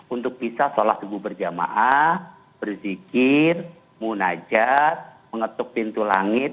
untuk bisa sholat subuh berjamaah berzikir munajat mengetuk pintu langit